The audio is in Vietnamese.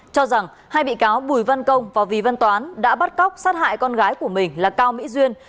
cho rằng hai bị cáo bùi văn công và vì văn toán đã bắt cóc sát hại con gái của mình là cao mỹ duyên